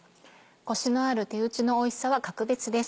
コシのある手打ちのおいしさは格別です。